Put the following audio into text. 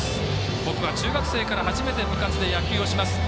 僕は中学生から初めて部活で野球をします。